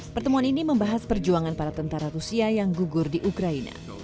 pertemuan ini membahas perjuangan para tentara rusia yang gugur di ukraina